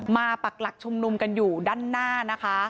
ปักหลักชุมนุมกันอยู่ด้านหน้านะคะ